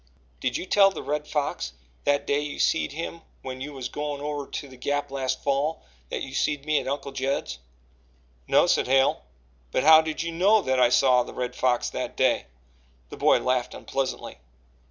"Did you tell the Red Fox that day you seed him when you was goin' over to the Gap last fall that you seed me at Uncle Judd's?" "No," said Hale. "But how did you know that I saw the Red Fox that day?" The boy laughed unpleasantly.